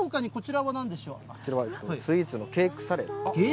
こちらはですね、スイーツのケークサレ。